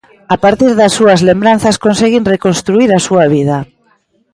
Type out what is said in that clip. A partir das súas lembranzas conseguín reconstruír a súa vida.